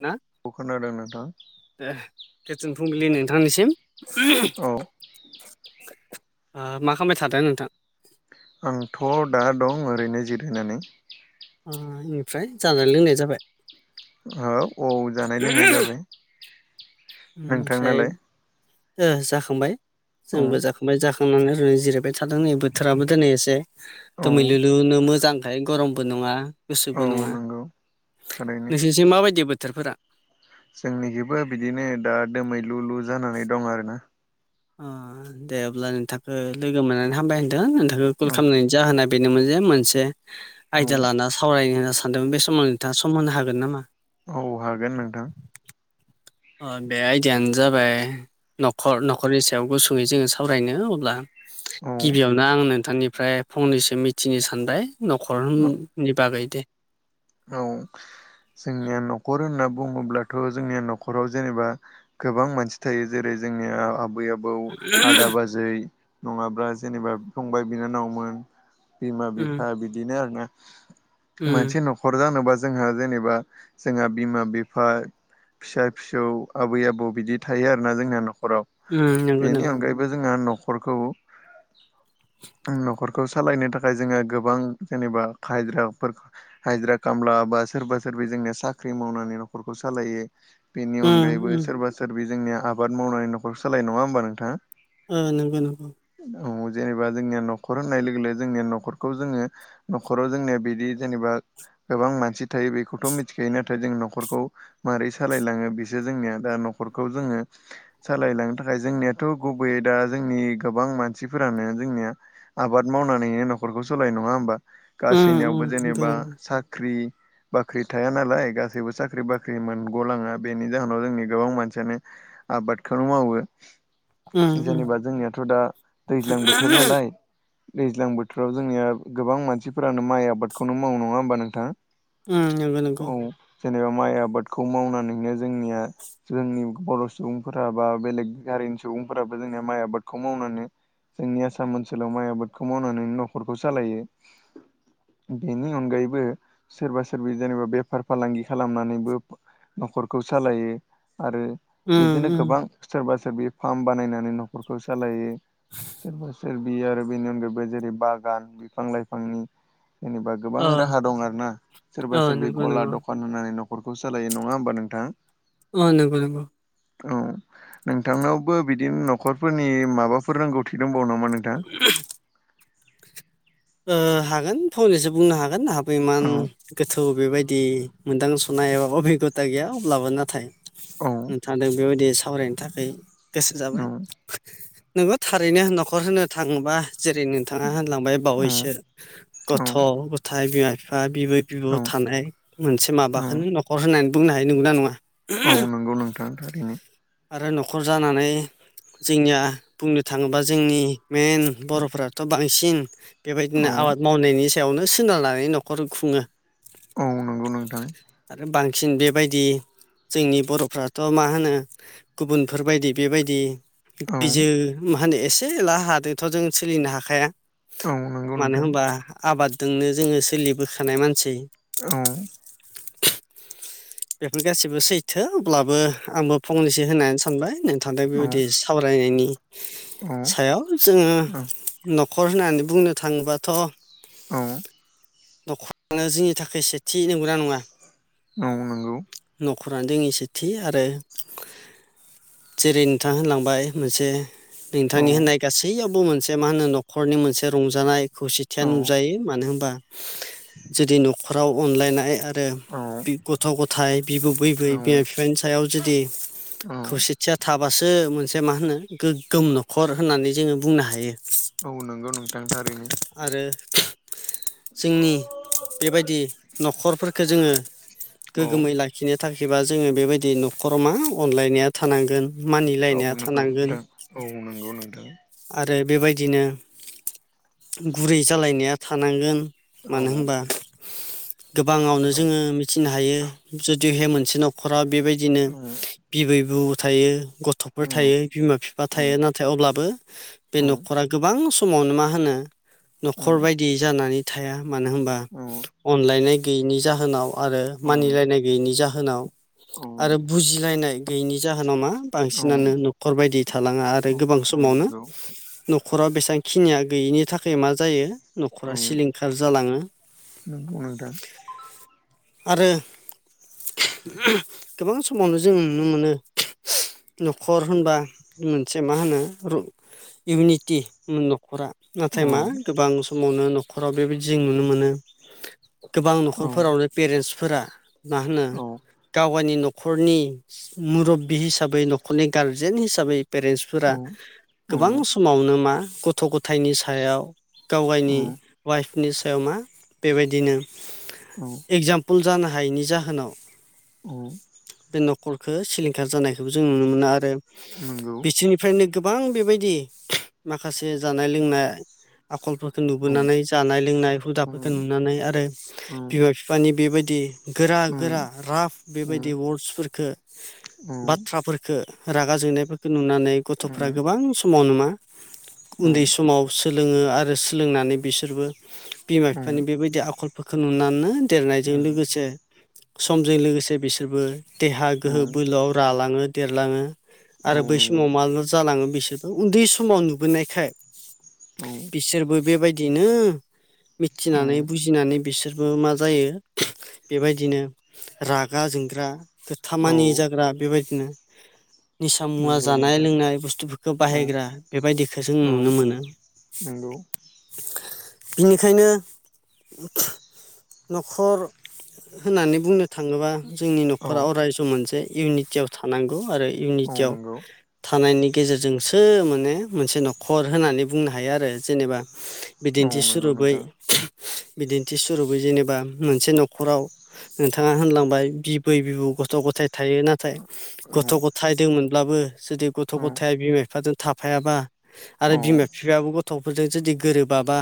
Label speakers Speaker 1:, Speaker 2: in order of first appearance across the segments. Speaker 1: ना?
Speaker 2: खोनादों नोंथां।
Speaker 1: दे गोजोन फुंबिलि नोंथांनिसिम ओहोहोम। ओ
Speaker 2: औ
Speaker 1: मा खालामबाय थादों नोंथां?
Speaker 2: आंथ' दा दं ओरैनो जिरायनानै।
Speaker 1: अ इनिफ्राय जानाय लोंनाय जाबाय?
Speaker 2: औ औ जानाय लोंनाय जाबाय।
Speaker 1: ओमफ्राय
Speaker 2: नोंथांनालाय
Speaker 1: ओ जाखांबाय
Speaker 2: औ
Speaker 1: जोंबो जाखांबाय जाखां खांनानैै जिरायबाय थादों नै बोथोराबो दिनै एसे
Speaker 2: औ
Speaker 1: दोमैलुलुनो मोजांखाय गरमबो नङा
Speaker 2: औ
Speaker 1: गुसुबो नङा।
Speaker 2: नंगौ
Speaker 1: नोंसिनिथिं माबायदि बोथोरफोरा?
Speaker 2: जोंनिथिंबो बिदिनो दा दोमैलुलु जानानै दं आरोना।
Speaker 1: अ दे अब्ला नोंथांखौ लोगो मोननानै हामबाय होनदों नोंथांखौ कल
Speaker 2: औ
Speaker 1: खालामनायनि जाहोना बेनोमोन जे मोनसे
Speaker 2: औ
Speaker 1: आयदा लाना सावरायनो सान्दोंमोन बे समाव नोंथांआ सम होनो हागोन नामा?
Speaker 2: औ हागोन नोंथां।
Speaker 1: अ बे आयडायानो जाबाय न'खर न'खरनि सायाव गुसुङै जोङो सावरायनो अब्ला।
Speaker 2: औ
Speaker 1: गिबियावनो आं नोंथांनिफ्राय फंनैसो मिथिनो सानबाय। न'खरनि बागै दे।
Speaker 2: औ जोंनिया न'खर होनना बुङोब्लाथ' जोंनिया न'खराव जेनेबा गोबां मानसि थायो जेरै जोंनिया आबै आबौ बौ आदा बाजै नङाब्ला जेनेबा फंबाय बिनानावमोन बिमा
Speaker 1: उम
Speaker 2: बिफा बिदिनो आरो ना
Speaker 1: उम
Speaker 2: मोनसे न'खर खर जानोबा जोंहा जेनेबा जोंहा बिमा बिफा फिसा फिसौ आबै आबौ बिदि थायो आरोना जोंना न'खराव।
Speaker 1: उम नंगौ
Speaker 2: बेनि
Speaker 1: नंगौ
Speaker 2: अनगायैबो बो जोंहा न'खरखौ न'खरखौ सालायनो थाखाय जोङो गोबां जेनेबा [unintelligible] हाजिरा खामला बा सोरबा सोरबि जोंनिया साख्रि मावनानै न'खरखौ सालायो। बेनि
Speaker 1: उम
Speaker 2: अनगायैबो
Speaker 1: उम
Speaker 2: सोरबा सोरबि जोंनिया आबाद मावनानै नखर सालायो नङा होमबा नोंथां।
Speaker 1: ओ नंगौ नंगौ।
Speaker 2: औ जेनेबा जोंनिया न'खर होननाय लोगो लोगो जोंनिया न'खरखौ जोङो न'खराव जोंनिया बिदि जेनेबा गोबां मानसि थायो बेखौथ' मिथिखायो। नाथाय जों न'खरखौ मारै सालायलाङो बिसो जोंनिया दा न'खरखौ जोङो सालायलांनो थाखाय जोंनियाथ' गुबैयै दा जोंनि गोबां मानसिफोरानो जोंनिया आबाद मावनानैनो न'खरखौ सालायो नङा होमबा
Speaker 1: उम उम
Speaker 2: गासैनियावबो
Speaker 1: नंगौ
Speaker 2: जेनेबा
Speaker 1: नंगौ
Speaker 2: साख्रि बाख्रि थाया नालाय गासैबो साख्रि बाख्रि मोनग'लाङा बेनि जाहोनाव जोंनि गोबां मानसियानो आबादखौनो मावो
Speaker 1: उम उम
Speaker 2: जेनेबा जोंनियाथ' दा दैज्लां बोथोर नालाय दैज्लां बोथोराव जोंनिया गोबां मानसिफोरानो माइ आबादखौनो मावो नङा होमबा नोंथां?
Speaker 1: उम नंगौ नंगौ
Speaker 2: औ जेनेबा माइ आबादखौ मावनानैनो जोंनिया जोंनि बर' सुबुंफोरा बा बेलेग हारिनि सुबुंफोराबो जोंनि माइ आबादखौ मावनानै जोंनि आसाम ओनसोलाव माइ आबादखौ मावनानै न'खरखौ सालायो बेनि अनगायैबो सोरबा सोरबि जेनेबा बेफार फालांगि खालामनानैबो न'खरखौ सालायो आरो
Speaker 1: उम
Speaker 2: बिदिनो
Speaker 1: उम
Speaker 2: गोबां सोरबा सोर बे फार्म बानायनानै न'खरखौ सालायो सोरबा सोरबि आरो बेनि अनगायैबो जेरै बागान बिफां लाइफांनि जेनेबा गोबां
Speaker 1: ओ
Speaker 2: राहा दं आर ना
Speaker 1: ओ
Speaker 2: सोरबा सोरबि
Speaker 1: नंगौ
Speaker 2: गला
Speaker 1: नंगौ
Speaker 2: दखान होनानै न'खरखौ सालायो नङा होमबा नोंथाङा
Speaker 1: ओ नंगौ नंगौ।
Speaker 2: औ नोंथांनावबो बिदिनो न'खरफोरनि माबाफोर रोंगौथि दंबावो नामा नोंथां?
Speaker 1: हागोन फंनैसो बुंनो हागोन आंहाबो इमान
Speaker 2: औ
Speaker 1: गोथौ बेबायदि मोनदांसुनाय एबा अबिगथा गैया अब्लाबो नाथाय
Speaker 2: औ
Speaker 1: थादों बेबायदि सावरायनो थाखाय गोसो जाबाय
Speaker 2: औ
Speaker 1: नोंगौ थारैनो न'खर होनो थाङोबा जेरै नोंथाङा होनलांबाय
Speaker 2: औ
Speaker 1: बावैसो
Speaker 2: औ
Speaker 1: गथ' गथाइ बिमा बिफा बिबै बिबौ
Speaker 2: औ
Speaker 1: थानाय मोनसे
Speaker 2: औ
Speaker 1: माबाखौनो नख खर होननानै बुंनो हायो नंगना नङा?
Speaker 2: औ नंगौ नोंथां थारैनो।
Speaker 1: आरो न'खर जानानै जोंनिया बुंनो थाङोब्ला जोंनि मन बर'फ्राथ' बांसिन बेबायदिनो
Speaker 2: औ
Speaker 1: आबाद मावनायनि यावनो सोनारनानै न'खर खुङो।
Speaker 2: औ नंगौ नोंथां
Speaker 1: आरो बांसिन बेबायदि जोंनि बर'फ्राथ' मा होनो गुबुनफोरबायदि बेबायदि
Speaker 2: औ
Speaker 1: दैजो मा होनो एसे एला हादोंथ' जों सोलिनो हाखाया
Speaker 2: औ नंगौ
Speaker 1: मानो
Speaker 2: नोंथां
Speaker 1: होनबा आबादजोंनो जोङो सोलिबोखानाय मानसि
Speaker 2: औ
Speaker 1: बेफोर गासैबो सैथो अब्लाबो आंबो फंनैसो होनानो सानबाय नोंथांदों
Speaker 2: औ
Speaker 1: बेबायदि सावरायनायनि
Speaker 2: औ
Speaker 1: सायाव जोङो न'खर होननानै बुंनो थाङोबाथ'
Speaker 2: औ
Speaker 1: नख'रानो जोंनि थाखाय सेथि नंगौना नङा?
Speaker 2: नंगौ नों
Speaker 1: न'खरानो जोंनि सेथि आरो जेरै नोंथाङा होनलांबाय मोनसे
Speaker 2: औ
Speaker 1: नोंथांनि होननाय गासैयावबो मोनसे मा होनो न'खरनि मोनसे रंजानाय खौसेथिया
Speaker 2: औ
Speaker 1: नुजायो मानो होनबा जुदि न'खराव अनलायनाय
Speaker 2: औ
Speaker 1: थ' नाथाय बिबौ बैबै बिमा
Speaker 2: औ
Speaker 1: बिफानि सायाव जुदि खौसेथिया थाबासो मोन मोनसे मा होनो गोगोम न'खर होननानै जोङो बुंनो हायो
Speaker 2: औ नंगौ नोंथां थारैनो।
Speaker 1: आरो जोंनि बेबायदि न'खरफोरफोरखौ जोङो
Speaker 2: औ
Speaker 1: गोगोमै लाखिनो थाखैबा जोङो बेबायदि न'खराव मा अनलायनाया थानांगोन
Speaker 2: औ
Speaker 1: मानिलायनाया
Speaker 2: नंगौ
Speaker 1: थानांगोन
Speaker 2: नोंथां औ नंगौ नोंथां
Speaker 1: आरो बेबायदिनो गुरै जालायनाया थानांगोन
Speaker 2: औ
Speaker 1: मानो होनबा गोबाङावनो
Speaker 2: औ नंगौ
Speaker 1: जोङो मिथिनो हायो जुदिहे मोनसे न'खरा बेबायदिनो बिबै बौ थायो गथ'फोर थायो बिमा बिफा थायो
Speaker 2: औ
Speaker 1: नाथाय अब्लाबो बे
Speaker 2: नंगौ
Speaker 1: न'खरा गोबां समावनो मा होनो
Speaker 2: नोंथां
Speaker 1: न'खर बायदि जानानै थाया मानो होनबा
Speaker 2: औ
Speaker 1: अनलायनाय गैयैनि जाहोनाव आरो
Speaker 2: औ
Speaker 1: मानिलायनाय गैयैनि जाहोनाव
Speaker 2: औ
Speaker 1: आरो बुजिलायनाय गैयिनि जाहोनाव मा बांसिनानो न'खर बायदि थालाङा आरो गोबां समावनो न'खरा बेसांखिनिया गैयिनि थाखाय मा जायो न'खरा सिलिंखार जालाङो आरो [unintelligible] गोबां समावनो जों नुनो मोनो न'खर होनबा मोनसे मा होनो रु इउनिटि [unintelligible] खरा नाथाय मा गोबां समावनो न'खराव बेबायदि जों नुनो मोनो गोबां न'खरफोरावनो पेरेन्टसफोरा मा होनो गावगायनि न' खरनि मुरबबि हिसाबै न'खरनि गारजेन हिसाबै पेरेन्टसफोरा गोबां
Speaker 2: औ
Speaker 1: समावनो मा गथ' गथायनि सायाव
Speaker 2: औ
Speaker 1: गावगायनि वाइफनि सायाव मा बेबायदिनो
Speaker 2: औ
Speaker 1: एगजामपोल जानो हायैनि जाहोनाव
Speaker 2: औ
Speaker 1: बे न'खरखो सिलिंखार जानायखौबो जों नुनो मोनो आरो
Speaker 2: नंगौ
Speaker 1: बिथिनि फ्रायनो गोबां बेबायदि माखासे जानाय लोंनाय आखलफोर खौ
Speaker 2: औ
Speaker 1: नुबोनानै जानाय लोंनाय हुदाफोरखो नुनानै आरो बिमा फिफानि बेबायदि
Speaker 2: औ
Speaker 1: गोरा-गोरा राफ बेबायदि वार्डस फोरखो बाथ्राफोर खो रागा जोंनायफोरखो नुनानै
Speaker 2: औ
Speaker 1: गथ'फ्रा
Speaker 2: नंगौ
Speaker 1: गोबां समाव नो मा उन्दै समाव सोलोङो आरो सोलोंनानै बिसोरबो बिमा फिफानि
Speaker 2: औ
Speaker 1: बेबायदि आखलफोरखौ नुनानो देरनायजों लोगोसे समजों लोगोसे बिसोरबो देहा गोहो बोलोआव रालाङो देरलाङो आरो बै समाव मा जालाङो बिसोरबो उन्दै समाव नुबोनायखाय
Speaker 2: औ
Speaker 1: सोरबो बेबायदिनो मिथिनानै बुजिनानै बिसोरबो मा जायो बेबायदिनो रागा जोंग्रा खोथा मानियि जाग्रा बेबायदिनो निसा
Speaker 2: औ
Speaker 1: मुवा
Speaker 2: नंगौ
Speaker 1: जानाय
Speaker 2: नोंथां
Speaker 1: लोंनाय बुस्थुफोरखो बाहायग्रा बेबायदिखो जों नुनो मोनो
Speaker 2: नोंगौ
Speaker 1: बिनिखायनो न'खर होननानै बुंनो थाङोबा जोंनि
Speaker 2: औ
Speaker 1: न'खरा अराय सम मोनसे इउनिटियाव थानांगौ आरो
Speaker 2: औ
Speaker 1: इउनिटियाव
Speaker 2: नंगौ
Speaker 1: थानायनि गेजेरजोंसो माने मोनसे न'खर होननानै बुंनो हायो आरो जेनेबा
Speaker 2: औ
Speaker 1: बिदिन्थि
Speaker 2: नंगौ
Speaker 1: सुरुपै
Speaker 2: नोंथां
Speaker 1: बिदिन्थि सुरुपै जेनेबा मोनसे न' खराव नोंथाङा होनलांबाय बिबै बिबौ गथ' गथाय थायो नाथाय
Speaker 2: औ
Speaker 1: गथ' ग' थाय दोंमोनब्लाबो जुदि गथ'
Speaker 2: औ
Speaker 1: गथाय बिमा बिफाजों थाफायाबा आरो
Speaker 2: औ
Speaker 1: बिमा फिफायाबो गथ'फोरजों जुदि गोरोबाबा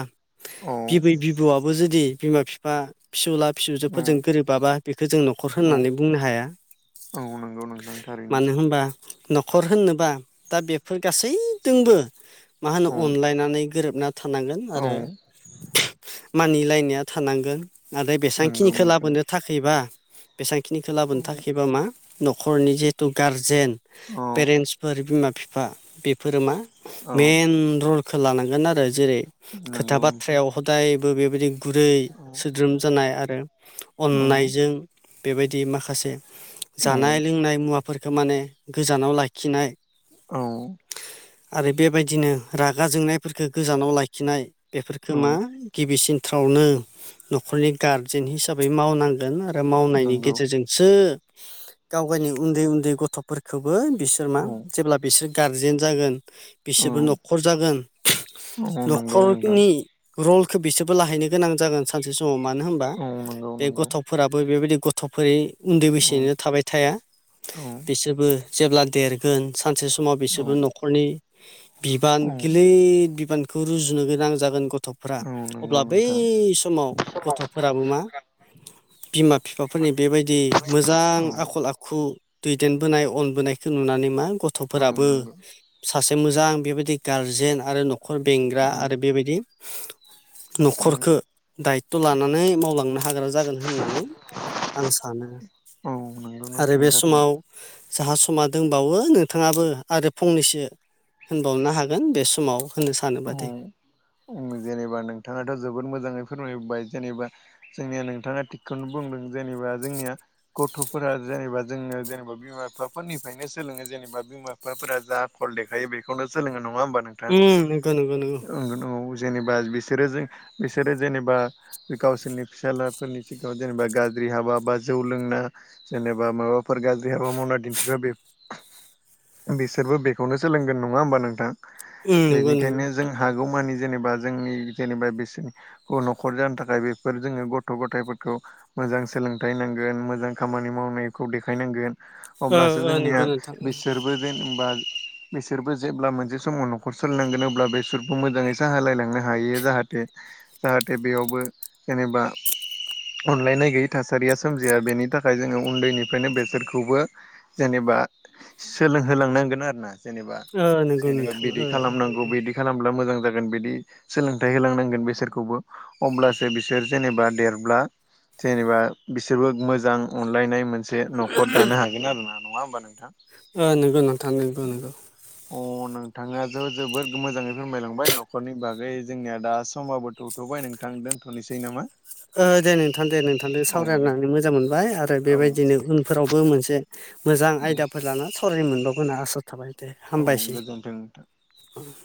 Speaker 2: औ
Speaker 1: बिबै बिबौआबो जुदि बिमा फिफा फिसौला फिसौजो
Speaker 2: औ
Speaker 1: फोरजों गोरोबाबा बेखो जों न'खर
Speaker 2: औ
Speaker 1: होननानै बुंनो हाया
Speaker 2: औ नंगौ नोंथां थारैनो
Speaker 1: मानो होमबा न'खर होननोबा दा बेफोर गासैदोंबो मा होनो
Speaker 2: औ
Speaker 1: अनलायनानै गोरोबना थांगोन
Speaker 2: औ
Speaker 1: आरो मानिलायनाया थानांगोन आरो
Speaker 2: नंगौ
Speaker 1: खिनिखौ
Speaker 2: नोंथां
Speaker 1: लाबोनो थाखायबा बेसेबां खिनिखौ लाबोनो
Speaker 2: औ
Speaker 1: थाखायबा मा न'खरनि जिहेथु गारजेन
Speaker 2: औ
Speaker 1: पेरेन्टसफोर बिमा बिफा बेफोरो मा
Speaker 2: औ
Speaker 1: मेन रलखौ लानांगोन आरो जेरै खोथा
Speaker 2: नंगौ नोंथां
Speaker 1: बाथ्रायाव हदायबो बेबायदि गुरै
Speaker 2: औ
Speaker 1: सोद्रोम जानाय आरो
Speaker 2: औ
Speaker 1: अननायजों बेबायदि माखासे
Speaker 2: औ
Speaker 1: जानाय लोंनाय मुवा फोरखो माने गोजानाव लाखिनाय
Speaker 2: औ
Speaker 1: आरो बेबायदिनो रागा जोंनायफोरफोरखौ गोजानाव लाखिनाय बेफोरफोरखौ
Speaker 2: औ
Speaker 1: मा गिबिसिनथ्रावनो न'खरनि गार जेन्ट हिसाबै मावनांगोन आरो मावनायनि
Speaker 2: नंगौ
Speaker 1: गेजेरजों सो गाव गावनि उन्दै उन्दै गथ'फोरखौबो बिसोर मा
Speaker 2: औ
Speaker 1: जेब्ला बिसोर गारजेन जागोन
Speaker 2: औ
Speaker 1: बिसोरबो न'खर जागोन
Speaker 2: नंगौ नोंथां
Speaker 1: न'खरनि रलखौ बिसोरबो लाहैनो गोनां जागोन सानसे समाव मानो होन
Speaker 2: औ नंगौ नंगौ
Speaker 1: फोराबो बेबायदि गथ'फोरै उन्दै
Speaker 2: औ
Speaker 1: बैसोनो थाबाय थाया बिसोरबो जेब्ला देरगोन सानसे समाव
Speaker 2: औ
Speaker 1: बिसोरबो न'खर न'खरनि बिबान गिलिर बिबानखौ रुजुनो गोनां जागोन गथ' गथ'फोरा
Speaker 2: औ नंगौ
Speaker 1: अब्ला बै
Speaker 2: नोंथां
Speaker 1: समाव गथ'फोरा फोराबो मा बिमा बिफाफोरनि बेबायदि मोजां
Speaker 2: औ
Speaker 1: आखल आखु दैदेनबोनाय अनबोनायखौ नुनानै मा
Speaker 2: औ
Speaker 1: गथ'फोराबो
Speaker 2: नंगौ
Speaker 1: सासे मोजां बेबायदि गारजेन आरो न'खर बेंग्रा
Speaker 2: औ
Speaker 1: आरो बेबायदि
Speaker 2: औ
Speaker 1: न'खरखो दायथ' लानानै माव लांनो हाग्रा जागोन होननानै आं सानो
Speaker 2: औ नंगौ
Speaker 1: आरो
Speaker 2: नोंथां
Speaker 1: बे
Speaker 2: थारैनो
Speaker 1: समाव जोंहा समा दंबावो नोंथाङाबो आरो फंनैसो होनबावनो हागोन बे समाव होनो
Speaker 2: औ
Speaker 1: सानोबादे
Speaker 2: जेनेबा नोंथाङाथ' जोबोद मोजाङै फोरमायबाय जेनेबा जोंनिया नोंथाङा थिगखौनो बुंदों जेनेबा जोंनिया गथ'फोरा जेनेबा जोंनो जेनेबा बिमा बिफाफोरनिफ्रायनो सोलोङो जेनेबा बिमा बिफाफोरा जा फल देखायो बेखौनो सोलोङो नङा होमबा नों
Speaker 1: ओम नंगौ नंगौ नंगौ
Speaker 2: ओ ओम जेनेबा बिसोरो जों बिसोरो जेनेबा गावसोरनि फिसालाफोरनि सिगाङाव जेनेबा गाज्रि हाबा बा जौ लोंना जेनेबा माबाफोर गाज्रि हाबा मावना दिन्थिब्ला बे बिसोरबो बेखौनो सोलोंगोन नङा होमबा नोंथां
Speaker 1: उम नंगौ नंगौ
Speaker 2: बेनिखायनो जों हागौमानि जेनेबा जोंनि जेनेबा बिसोरनि न'खर जानो थाखाय बेफोर जोङो गथ' गथायफोरखौ मोजां सोलोंथाइ नांगोन मोजां खामानि मावनायखौ देखायनांगोन
Speaker 1: ओ
Speaker 2: अब्लासो
Speaker 1: ओ
Speaker 2: जोंनिया
Speaker 1: नंगौ नोंथां
Speaker 2: बिसोरबो जेनबा बिसोरबो जेब्ला मोनसे समाव न'खर सोलिनांगोन अब्ला बेसोरखौ मोजाङै साहालायलांनो हायो जाहाथे जाहाथे बेयावबो जेनेबा अनलायनाय गैयै थासारिया सोमजिया बेनि थाखाय जोङो उन्दैनिफ्रायनो बेसोरखौबो जेनेबा सोलोंहोलांनांगोन आरो ना जेनेबा
Speaker 1: ओ नंगौ
Speaker 2: जेनेबा
Speaker 1: नोंथां
Speaker 2: बिबादि
Speaker 1: ओ
Speaker 2: खालामनांगोन
Speaker 1: ओ
Speaker 2: बिदि खालामब्ला मोजां जागोन बिदि सोलोंथाइ होलांनांगोन बिसोरखौबो अब्लासो बिसोर जेनेबा देरब्ला जेनेबा बिसोरबो मोजां अनलायनाय मोनसे न'खर दानो हागोन आरो ना नङा होमबा नोंथां
Speaker 1: नंगौ नोंथां नंगौ नंगौ
Speaker 2: अ नोंथाङा ज' जोबोद मोजाङै फोरमायलांबाय न'खरनि बागै जोंनिया दा समबाबो थौथ'बाय नोंथां दोनथ'नोसै नामा
Speaker 1: दे नोंथां दे नोंथांजों
Speaker 2: औ दे
Speaker 1: सावरायनानै मोजां मोनबाय आरो
Speaker 2: औ
Speaker 1: बेबायदिनो उनफोरावबो मोनसे मोजां आयदाफोर लाना सावराय मोनबावगोनना आसा थाबाय दे
Speaker 2: औ
Speaker 1: हामबायसै।
Speaker 2: गोजोन्थों नोंथां
Speaker 1: [inaudible]